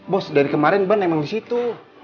bos dari kemarin ban emang disitu